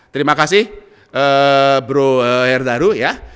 terima kasih bro herdaru ya